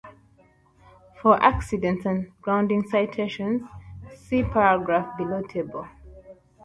For accident and grounding citations, see paragraph below table.